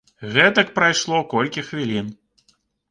Гэтак прайшло колькі хвілін.